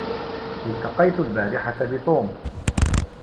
التقيت البارحة بتوم.